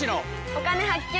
「お金発見」。